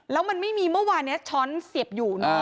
แล้วมันไม่มีเมื่อวานนี้ช้อนเสียบอยู่นะ